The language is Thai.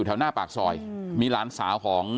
เดี๋ยวให้กลางกินขนม